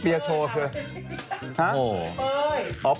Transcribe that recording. เปลี่ยโชอย่างเกิน